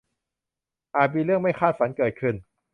อาจมีเรื่องไม่คาดฝันเกิดขึ้น